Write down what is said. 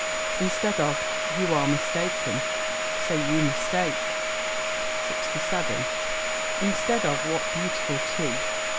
Instead of "You are mistaken," say "You mistake." 67. Instead of "What beautiful tea!"